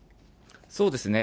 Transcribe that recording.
そうですね。